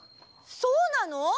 そうなの！？